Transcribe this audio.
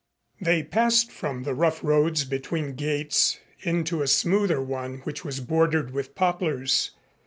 They passed from the rough roads between gates into a smoother one which was bordered with poplars.